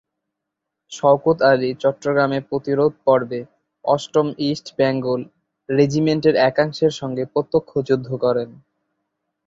শওকত আলী চট্টগ্রামে প্রতিরোধ পর্বে অষ্টম ইস্ট বেঙ্গল রেজিমেন্টের একাংশের সঙ্গে প্রত্যক্ষ যুদ্ধ করেন।